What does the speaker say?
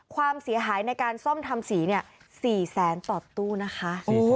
ความเสียหายในการซ่อมทำสีเนี่ย๔แสนต่อตู้นะคะ